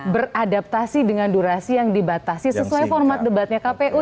beradaptasi dengan durasi yang dibatasi sesuai format debatnya kpu